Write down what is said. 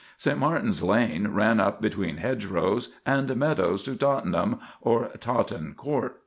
St. Martin's Lane ran up between hedgerows and meadows to Tottenham, or Totten Court.